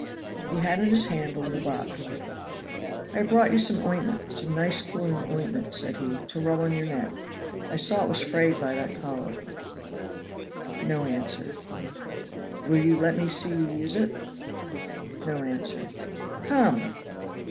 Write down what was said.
He had in his hand a little box. "I have brought you some ointment some nice cooling ointment," said he, "to rub on your neck. I saw it was frayed by that collar." No answer. "Will you let me see you use it?" No answer. "Come!"